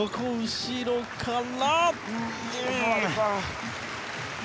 後ろから。